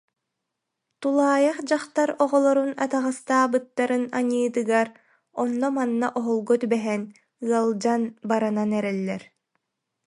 Тулаайах дьахтар оҕолорун атаҕастаабыттарын аньыытыгар, онно-манна оһолго түбэһэн, ыалдьан баранан эрэллэр